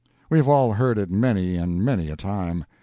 We have all heard it many and many a time.